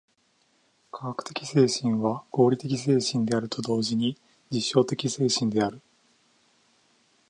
科学的精神は合理的精神であると同時に実証的精神である。